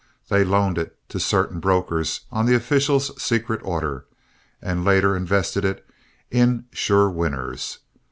They loaned it to certain brokers on the officials' secret order, and the latter invested it in "sure winners."